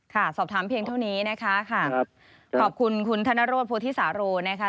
ครับสอบถามเพียงต้นนี้นะคะขอบคุณทุนของคุณธนรดพทธิสารัวนะคะ